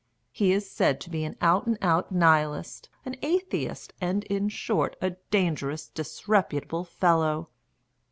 He is said to be an out and out Nihilist, an atheist, and, in short, a dangerous, disreputable fellow.